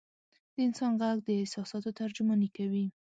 د انسان ږغ د احساساتو ترجماني کوي.